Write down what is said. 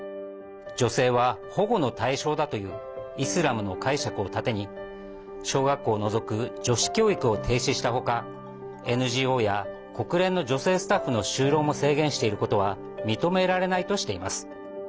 女性は保護の対象だというイスラムの解釈を盾に小学校を除く女子教育を停止した他ＮＧＯや国連の女性スタッフの就労も制限していることは認められないとしています。